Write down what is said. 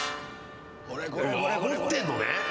持ってんのね。